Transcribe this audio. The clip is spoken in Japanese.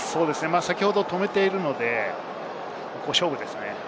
先ほど止めているので、ここは勝負ですね。